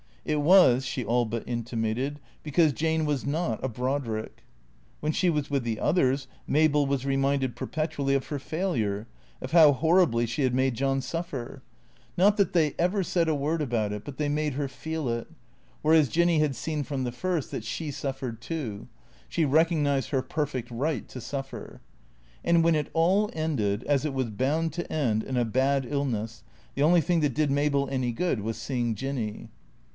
It was, she all but intimated, because Jane was not a Brodrick. When she was with the others, Mabel was reminded perpetually of her failure, of how horriblv she had made John suffer. Not '356 THECEEATOES 357 that they ever said a word about it, but they made her feel it; whereas Jinny had seen from the first that she suffered too ; she recognized her perfect right to suffer. And when it all ended, as it was bound to end, in a bad illness, the only thing that did Mabel any good was seeing Jinny.